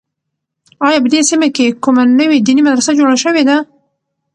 آیا په دې سیمه کې کومه نوې دیني مدرسه جوړه شوې ده؟